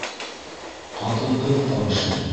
Ҡатын-ҡыҙ тауышы: